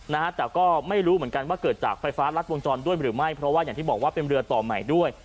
นะฮะแต่ก็ไม่รู้เหมือนกันว่าเกิดจากไฟฟ้ารัดวงจรด้วยหรือไม่เพราะว่าอย่างที่บอกว่าเป็นเรือต่อใหม่ด้วย